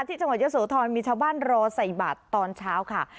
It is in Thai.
ที่จังหวัดเยอะโสธรมีชาวบ้านรอใส่บาทตอนเช้าค่ะ